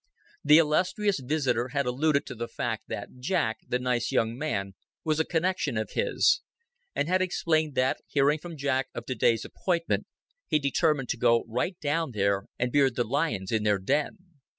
The illustrious visitor had alluded to the fact that Jack, the nice young man, was a connection of his; and had explained that, hearing from Jack of to day's appointment, he determined to go right down there and beard the lions in their den.